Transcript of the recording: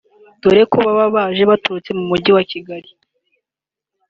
dore ko baba baje baturutse mu mujyi wa Kigali